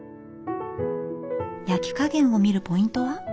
焼き加減を見るポイントは？